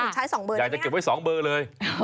ใช้๒เบอร์อยากจะเก็บไว้๒เบอร์เลย